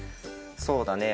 そうだね。